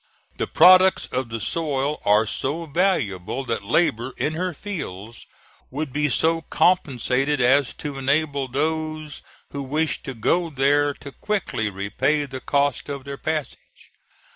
The products of the soil are so valuable that labor in her fields would be so compensated as to enable those who wished to go there to quickly repay the cost of their passage.